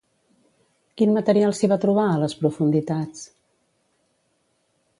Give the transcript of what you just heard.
Quin material s'hi va trobar a les profunditats?